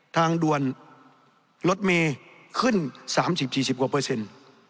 ทางด่วนรถเมล์ขึ้น๓๐๔๐กว่าเปอร์เซ็นต์